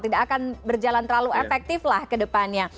tidak akan berjalan terlalu efektif lah ke depannya